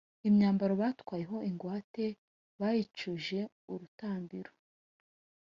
imyambaro batwaye ho ingwate bayicuje urutambiro,